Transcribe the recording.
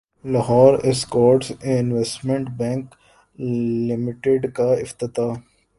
Lahore Escorts investment bank لمیٹڈکاافتتاح